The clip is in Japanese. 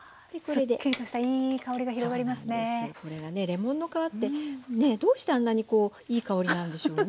レモンの皮ってどうしてあんなにいい香りなんでしょうね？